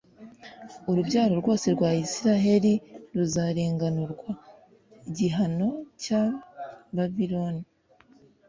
urubyaro rwose rwa israheli ruzarenganurwa, gihano cya babiloni